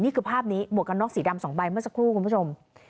นี่คือภาพนี้หมวกกันน็อกสีดำ๒ใบเมื่อสักครู่คุณผู้ชม